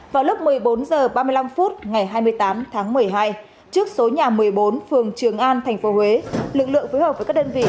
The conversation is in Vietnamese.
vào lúc một mươi bốn h ba mươi năm phút ngày hai mươi tám tháng một mươi hai trước số nhà một mươi bốn phường trường an tp huế lực lượng phối hợp với các đơn vị